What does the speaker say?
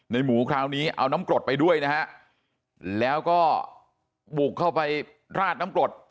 หมูคราวนี้เอาน้ำกรดไปด้วยนะฮะแล้วก็บุกเข้าไปราดน้ำกรด